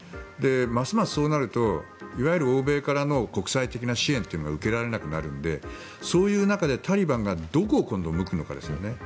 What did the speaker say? ますます、そうなるといわゆる欧米からの国際的な支援というのが受けられなくなるのでそういう中でタリバンがどこを今度は向くのかですよね。